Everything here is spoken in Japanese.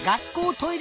「トイレ！」